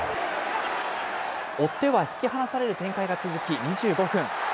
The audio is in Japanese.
追っては引き離される展開が続き、２５分。